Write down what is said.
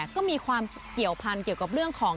ก็มีความเกี่ยวพันธุ์เกี่ยวกับเรื่องของ